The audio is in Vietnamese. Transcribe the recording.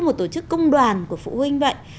một tổ chức công đoàn của phụ huynh vậy